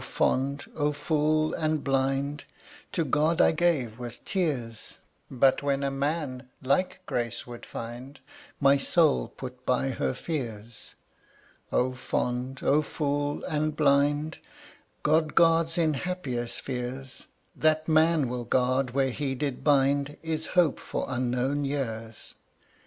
O fond, O fool, and blind, To God I gave with tears; But when a man like grace would find, My soul put by her fears O fond, O fool, and blind, God guards in happier spheres; That man will guard where he did bind Is hope for unknown years.